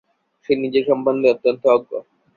সে নিজের সম্বন্ধে অত্যন্ত অজ্ঞ।